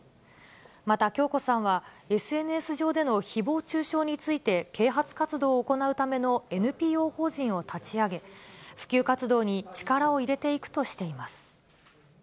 また、響子さんは、ＳＮＳ上でのひぼう中傷について啓発活動を行うためのＮＰＯ法人を立ち上げ、普及活動に力を入れていくとしています。